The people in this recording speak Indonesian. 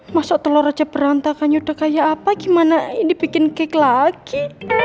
masuk telur aja berantakannya udah kayak apa gimana ini bikin kek lagi